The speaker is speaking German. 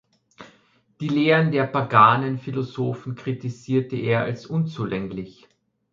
Die Lehren der paganen Philosophen kritisierte er als unzulänglich.